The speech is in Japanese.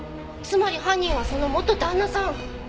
つまり犯人はその元旦那さん！